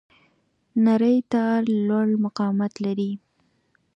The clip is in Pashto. نری تار لوړ مقاومت لري.